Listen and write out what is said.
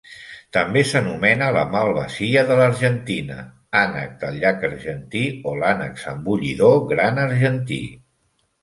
També s'anomena la malvasia de l'Argentina, ànec del llac argentí, o l'ànec zambullidor gran argentí.